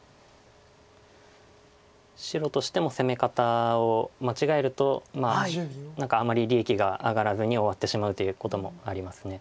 白としても攻め方を間違えるとあんまり利益が上がらずに終わってしまうということもあります。